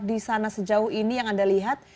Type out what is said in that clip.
di sana sejauh ini yang anda lihat